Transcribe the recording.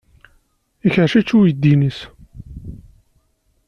Ikerrec-it uydi-nnes.